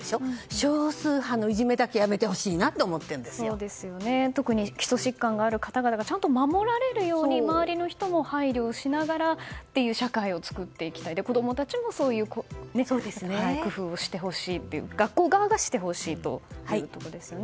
少数派のいじめだけはやめてほしいなと特に基礎疾患がある方がちゃんと守られるように周りの人も配慮しながらという社会を作っていきたい子供たちもそういう工夫を学校側がしてほしいというところですね。